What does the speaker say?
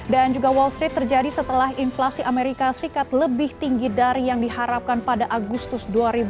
dan juga wall street terjadi setelah inflasi amerika serikat lebih tinggi dari yang diharapkan pada agustus dua ribu dua puluh dua